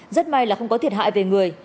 rất may là không có thiệt hại về người